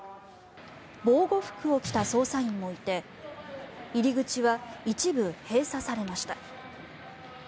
防護服を着た捜査員もいて入り口は一部閉鎖されました。